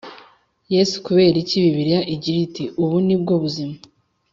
Yesu kubera iki bibiliya igira iti ubu ni bwo buzima